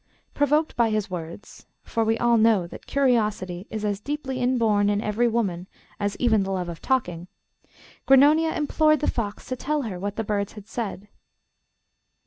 Provoked by his words for we all know that curiosity is as deeply inborn in every woman as even the love of talking Grannonia implored the fox to tell her what the birds had said.